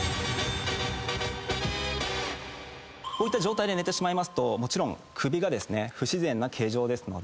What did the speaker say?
こういった状態で寝てしまうと首が不自然な形状ですので。